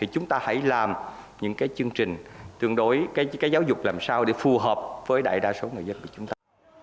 chúng ta hãy làm những cái chương trình tương đối giáo dục làm sao để phù hợp với đại đa số người dân của chúng ta